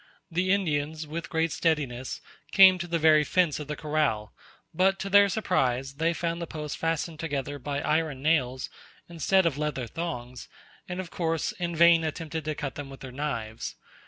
The Indians, with great steadiness, came to the very fence of the corral: but to their surprise they found the posts fastened together by iron nails instead of leather thongs, and, of course, in vain attempted to cut them with their knives.